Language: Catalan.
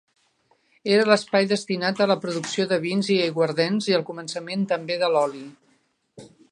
Era l'espai destinat a la producció de vins i aiguardents i, al començament, també d'oli.